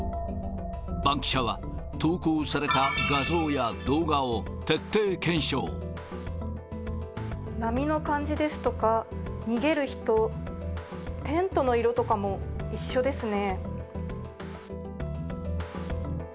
バンキシャは、波の感じですとか、逃げる人、テントの色とかも一緒ですね。